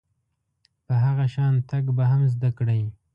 په هغه شان تګ به هم زده کړئ .